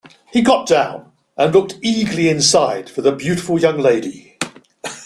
He got down, and looked eagerly inside for the beautiful young lady.